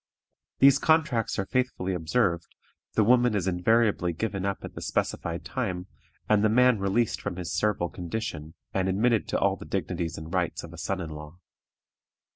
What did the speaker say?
These contracts are faithfully observed, the woman is invariably given up at the specified time, and the man released from his servile condition, and admitted to all the dignities and rights of a son in law.